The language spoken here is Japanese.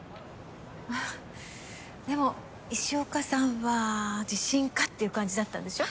あっでも石岡さんは自信家っていう感じだったんでしょ？